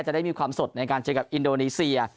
จะได้มีความสดในการเจอกับอินโดนีเซีย